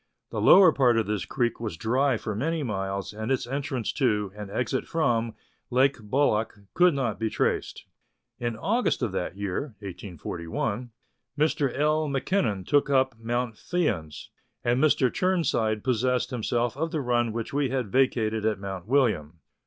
The lower part of this creek was dry for many miles, and its entrance to, and exit from, Lake Bolac could not be traced. In August of that year (1841), Mr. L. Mackinnon took up Mount Fyans, and Mr. Chirnside possessed himself of the run which we had vacated at Mount William.